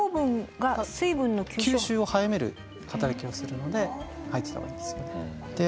吸収を早める働きをするので入ってた方がいいんですよね。